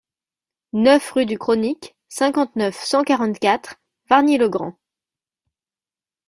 neuf rue du Chronique, cinquante-neuf, cent quarante-quatre, Wargnies-le-Grand